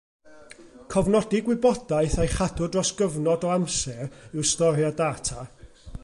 Cofnodi gwybodaeth a'i chadw dros gyfnod o amser yw storio data.